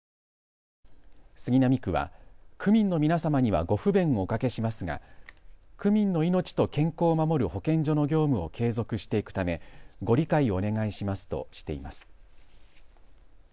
杉並区は区民の皆様にはご不便をおかけしますが区民の命と健康を守る保健所の業務を継続していくためご理解をお願いしますとしています。